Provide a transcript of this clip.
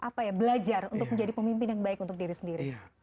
untuk kita belajar menjadi pemimpin yang baik untuk diri sendiri